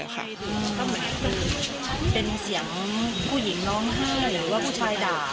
ใช้ค่ะ